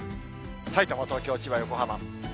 さいたま、東京、千葉、横浜。